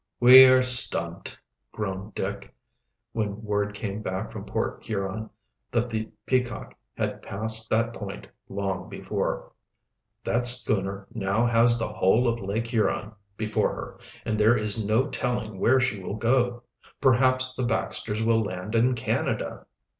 "We are stumped," groaned Dick, when word came back from Port Huron that the Peacock had passed that point long before. "That schooner now has the whole of Lake Huron before her, and there is no telling where she will go. Perhaps the Baxters will land in Canada."